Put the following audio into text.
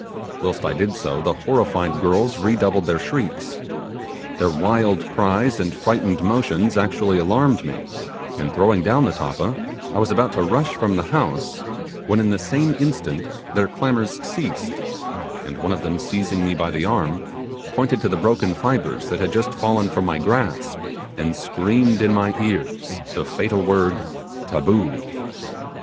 Whilst I did so the horrified girls re doubled their shrieks. Their wild cries and frightened motions actually alarmed me, and throwing down the tappa, I was about to rush from the house, when in the same instant their clamours ceased, and one of them, seizing me by the arm, pointed to the broken fibres that had just fallen from my grasp, and screamed in my ears the fatal word Taboo!